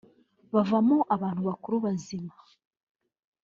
bavamo abantu bakuru bazima